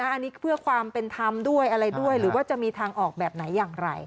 อันนี้เพื่อความเป็นธรรมด้วยอะไรด้วยหรือว่าจะมีทางออกแบบไหนอย่างไร